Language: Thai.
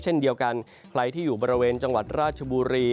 เช่นเดียวกันใครที่อยู่บริเวณจังหวัดราชบุรี